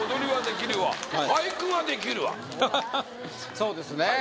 そうですね